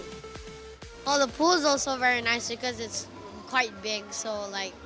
pemainan juga sangat bagus karena cukup besar jadi mudah untuk berlari dan bermain